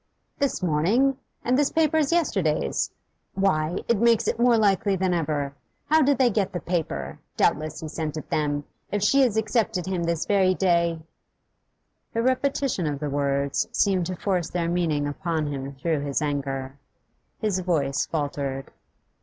'This morning? And this paper is yesterday's. Why, it makes it more likely than ever. How did they get the paper? Doubtless he sent it them. If she has accepted him this very day ' The repetition of the words seemed to force their meaning upon him through his anger. His voice failed.